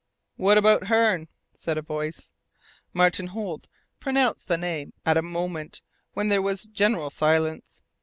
"What about Hearne?" said a voice. Martin Holt pronounced the name at a moment when there was general silence.